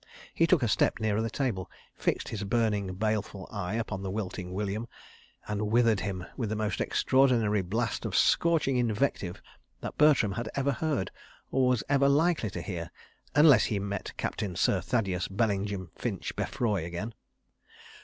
He took a step nearer the table, fixed his burning, baleful eye upon the wilting William, and withered him with the most extraordinary blast of scorching invective that Bertram had ever heard, or was ever likely to hear, unless he met Captain Sir Thaddeus Bellingham ffinch Beffroye again.